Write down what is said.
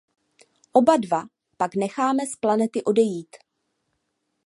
Oba dva pak nechává z planety odejít.